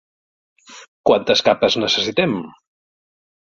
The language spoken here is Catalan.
Quantes capes necessitem?